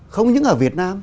không những ở việt nam